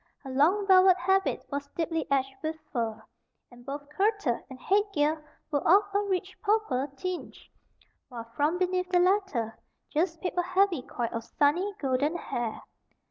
Her long velvet habit was deeply edged with fur, and both kirtle and head gear were of a rich purple tinge, while from beneath the latter just peeped a heavy coil of sunny, golden hair.